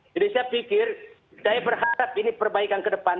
jadi saya pikir saya berharap ini perbaikan ke depan